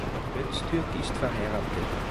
Öztürk ist verheiratet.